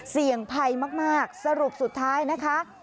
เสี่ยงภัยมากสรุปสุดท้ายนะคะ